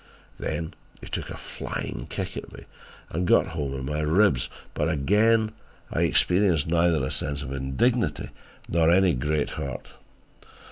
"Then he took a flying kick at me and got home in my ribs, but again I experienced neither a sense of indignity nor any great hurt.